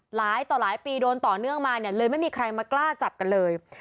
หลายต่อหลายปีโดนต่อเนื่องมาเนี่ยเลยไม่มีใครมากล้าจับกันเลย